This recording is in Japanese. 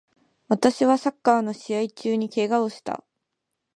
私はサッカーの試合中に怪我をした